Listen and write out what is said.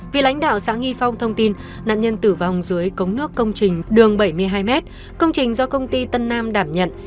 vị lãnh đạo xã nghi phong thông tin nạn nhân tử vong dưới cống nước công trình đường bảy mươi hai m công trình do công ty tân nam đảm nhận